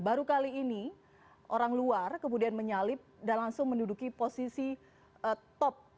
baru kali ini orang luar kemudian menyalip dan langsung menduduki posisi top